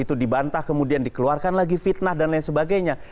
itu dibantah kemudian dikeluarkan lagi fitnah dan lain sebagainya